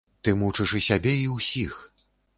Ты мучыш і сябе і ўсіх.